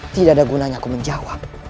tidak ada gunanya aku menjawab